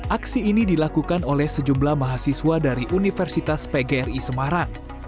aksi ini dilakukan oleh sejumlah mahasiswa dari universitas pgri semarang